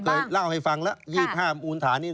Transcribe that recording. เคยเล่าให้ฟังแล้ว๒๕มูลฐานนี้